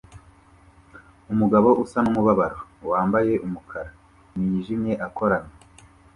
Umugabo usa numubabaro wambaye umukara nijimye akorana